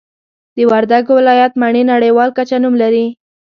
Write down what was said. د وردګو ولایت مڼې نړیوال کچه نوم لري